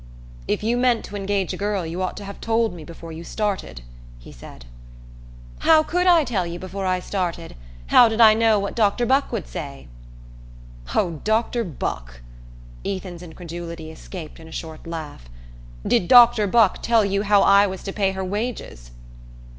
"If you meant to engage a girl you ought to have told me before you started," he said. "How could I tell you before I started? How did I know what Dr. Buck would say?" "Oh, Dr. Buck " Ethan's incredulity escaped in a short laugh. "Did Dr. Buck tell you how I was to pay her wages?"